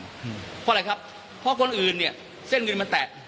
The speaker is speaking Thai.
เพราะอะไรครับเพราะคนอื่นเนี่ยเส้นเงินมันแตก